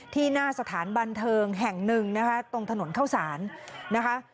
ที่หน้าสถานบันเทิงแห่งหนึ่งนะคะตรงถนนเข้าสารนะคะ